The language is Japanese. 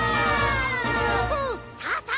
さあさあ